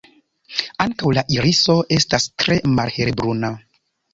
Ankaŭ la iriso estas tre malhelbruna.